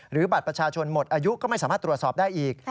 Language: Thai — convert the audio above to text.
บัตรประชาชนหมดอายุก็ไม่สามารถตรวจสอบได้อีก